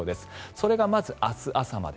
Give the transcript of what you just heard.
それがまず明日朝まで。